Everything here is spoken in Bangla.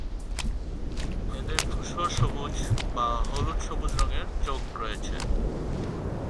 এদের ধূসর-সবুজ বা হলুদ-সবুজ রঙের চোখ রয়েছে।